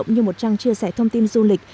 như một trang chia sẻ thông tin du lịch